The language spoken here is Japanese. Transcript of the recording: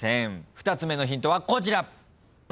２つ目のヒントはこちら。